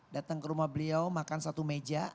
datang ke rumah beliau makan satu meja